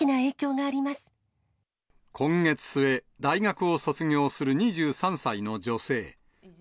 今月末、大学を卒業する２３歳の女性。